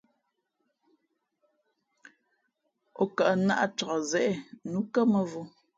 O kαʼ nāʼ cak zě nǔkά mᾱvǒ.